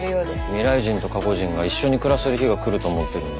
未来人と過去人が一緒に暮らせる日が来ると思ってるんだ。